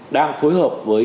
đang phối hợp với